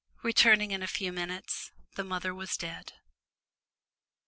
Returning in a few moments, the mother was dead.